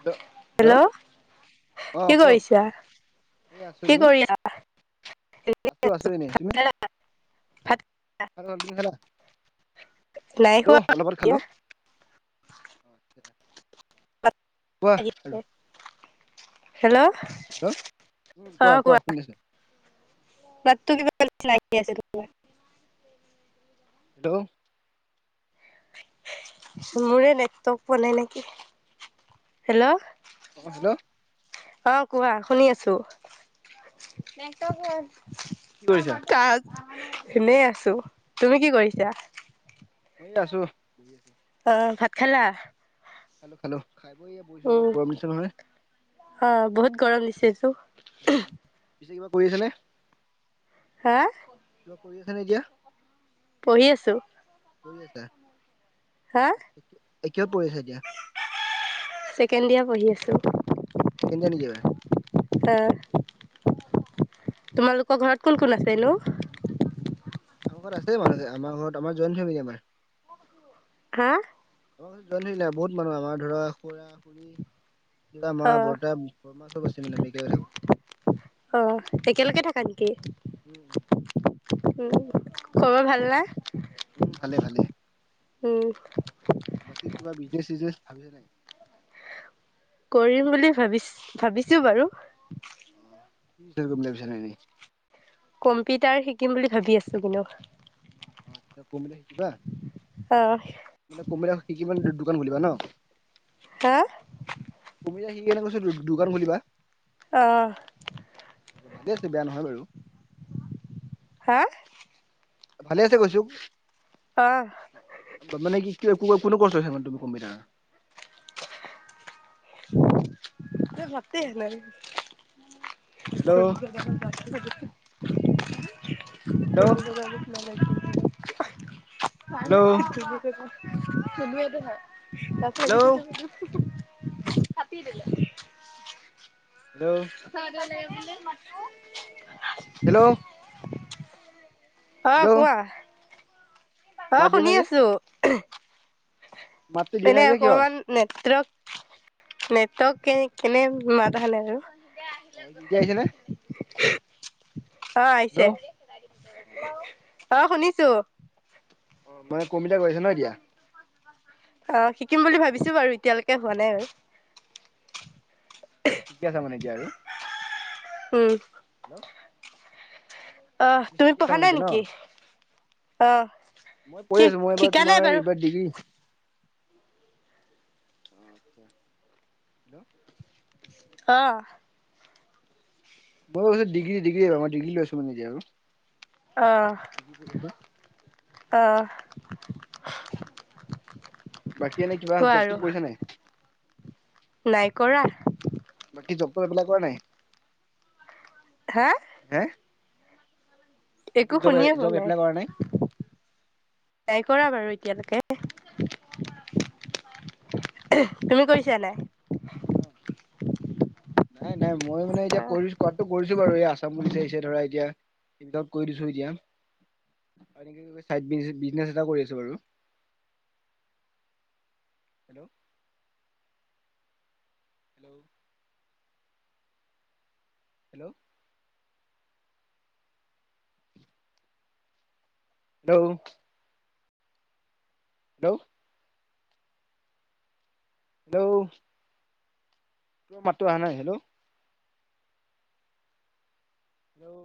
Hello hello hello. অ কি কক, কৰিছা এই আছো কি তুমি? কৰি আছা? আছো আছোঁ এনেই তুমি? ভাত খালা? খালো তুমি খালা, নাই খালো খোৱা অলপত আগত খালো। কোৱা হেল্ল' হেল্লৌ'। হেল্লৌ' উম কোৱা কোৱা শুনি আছো। মাততো কিবা লাগি আছে তোমাৰ। হেল্লৌ' মোৰে নেটটক পোৱা নাই নেকি, হেল্লৌ'। অ হেল্ল' অ কোৱা শুনি আছো। কি কৰিছা কাক এনেই আছো, তুমি কি কৰিছা? মই আছো [unintelligible] অ ভাত খালা? খালো খালো। খাই বৈ এইয়া বহিছো অলপ উম গৰম দিছে নহয়। অ বহুত গৰম দিছেটো। উ পিছে কিবা কৰি আছা নে? হা? কিবা কৰি আছা নে এতিয়া? পঢ়ি আছো। পঢ়ি আছা? হা? এতিয়া পঢ়ি আছা এতিয়া? ছেকেণ্ড ইয়াৰ পঢ়ি আছোঁ। [inaudible] অ', তোমালোকৰ ঘৰত কোন কোন আছেনো? আমাৰ ঘৰত আছে মানুহ ধে আমাৰ ঘৰত আমাৰ জইন ফেমেলি আমাৰ। হা? অ', জইন ফেমেলি বহুত মানুহ আমাৰ ধৰা খুৰা খুুৰী দেউতা মা অ বৰ্তা বৰ্মা চব আছে মানে একেলগে থাকো। অ', একেলগে থাকা নেকি? উম উম উম, খবৰ ভাল নে উম ভালে ভালে উম। বাকী কিবা বিজনেছ চিজনেছ ভাবিছা নাই? কৰিম বুলি ভাবিছ ভাবিছো বাৰু। অ [inaudible] কম্পিউটাৰ শিকিম বুলি ভাবি আছো কিন্তু। অ', আচ্ছা কম্পিউটাৰ শিকিবা? অহ। মানে কম্পিউটাৰ শিকি মানে দোকান খুলিবা ন? হা? কম্পিউটাৰ শিকি কেনে কৈছো দোকান খুলিবা। অহ। ভালেই আছে বেয়া নহয় বাৰু। হা? ভালে আছে কৈছো। অহ। মানে কি ক কো কোনটো ক'চ লৈছা মানে তুমি computer? [inaudible] Hello hello [inaudible] hello [inaudible] hello [inaudible] hello. [inaudible] Hello. অ', হেল্ল' কোৱা। মাত অ', দিয়া শুনি নাই যে আছো। মাতটো দিয়া মানে নাই যে কিয় অকমান নেটৱৰ্ক নেটৱৰ্ক কে কেনে মাত আহা নাই আৰু। অ', এতিয়া আহিছে নে? অ', আহিছে হেল্ল' অ' শুনিছো। অ মানে কম্পিউতাৰ কৰি আছে ন এতিয়া? অ', শিকিম বুলি ভাবিছো বাৰু এতিয়ালৈকে হোৱা নাই আৰু। মানে শিকি আছা মানে এতিয়া আৰু। উম। হেল্ল'। অ' তুমি শিকি আছা পঢ়া মানে নাই এতিয়া ন? নেকি? অহ মই পঢ়ি কি আছো মই এইবাৰ ঠিকা নাই তোমাৰ বাৰু এইবাৰ ডিগ্ৰী। [inaudible] হেল্ল' অ'। মই কৈছোঁ ডিগ্ৰী ডিগ্ৰী এইবাৰ মই ডিগ্ৰী লৈ আছোঁ মানে এতিয়া আৰু। আহ আহ বাকী এনেই কিবা জব চব কৰিছা নে নাই? নাই কৰা। বাকি জব চব এপ্লাই কৰা নাই? হা? হে, বাকী একো জব শুনিয়ে পোৱা জব এপ্লাই কৰা নাই? নাই কৰা বাৰু এতিয়ালৈকে। তুমি কৰিছা নে নাই? নাই নাই মই মানে এতিয়া অহ কৰি কৰাতটো কৰি বাৰু এই আছাম পুলিচ আহিছে ধৰা এতিয়া [unintelligible] কৰি দিছো এতিয়া। এনেকৈ চাইদ বিজনেছ এটাও কৰি আছোঁ বাৰু। Hello hello? Hello? Hello? Hello? Hello? তোমাৰ মাতটো অহা নাই হেল্ল'? হেল্ল'?